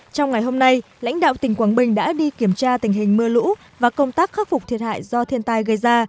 trong ngày hôm nay lãnh đạo tỉnh quảng bình đã đi kiểm tra tình hình mưa lũ và công tác khắc phục thiệt hại do thiên tai gây ra